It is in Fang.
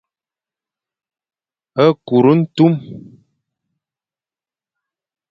Kur ntum,